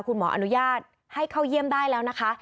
คุณหมออนุญาตให้เข้าเยี่ยมได้แล้วนะคะ